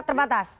terima kasih pak